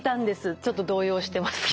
ちょっと動揺してますけど。